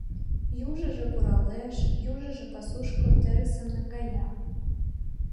Южыжо куралеш, южыжо пасушко терысым наҥгая.